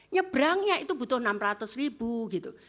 nyebrangnya itu butuh enam ratus ribu gitu